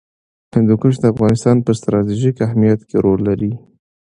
هندوکش د افغانستان په ستراتیژیک اهمیت کې رول لري.